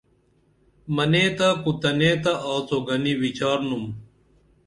منے تہ کُو تنے تہ آڅو گنی ویچارنُم